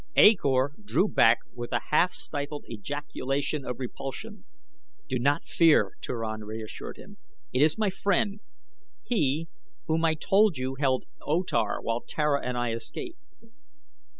A Kor drew back with a half stifled ejaculation of repulsion. "Do not fear," Turan reassured him. "It is my friend he whom I told you held O Tar while Tara and I escaped."